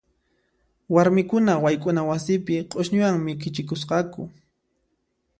Warmikuna wayk'una wasipi q'usñiwan mikichikusqaku.